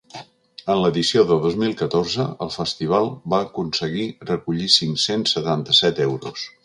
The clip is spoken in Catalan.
En l’edició de dos mil catorze, el festival va aconseguir recollir cinc-cents setanta-set euros.